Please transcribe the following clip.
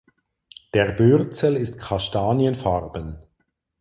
Der Bürzel ist kastanienfarben.